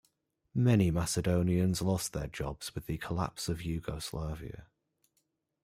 Many Macedonians lost their jobs with the collapse of Yugoslavia.